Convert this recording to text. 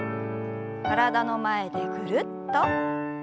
体の前でぐるっと。